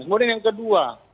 kemudian yang kedua